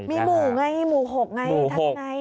มีหมู่ไงมีหมู่หกไงทางไหน